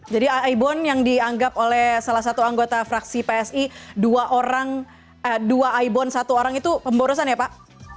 jadi ibon yang dianggap oleh salah satu anggota fraksi psi dua orang dua ibon satu orang itu pemborosan ya pak